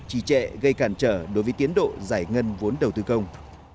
trì trệ gây cản trở đối với tiến độ giải ngân vốn đầu tư công